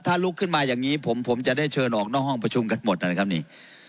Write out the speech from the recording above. ถ้าลุกขึ้นมาอย่างนี้ผมจะได้เชิญออกนอกห้องประชุมกันหมดนะครับนี่